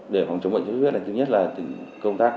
để phòng chống bệnh xuất huyết là thứ nhất là công tác